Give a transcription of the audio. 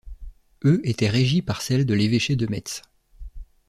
Eux étaient régis par celle de l'évêché de Metz.